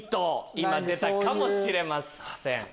今出たかもしれません。